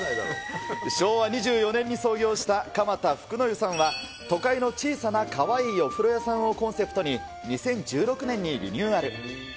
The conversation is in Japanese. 昭和２４年に創業した、蒲田福の湯さんは都会の小さなかわいいお風呂屋さんをコンセプトに、２０１６年にリニューアル。